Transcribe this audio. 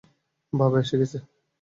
বাবা এসে গেছে।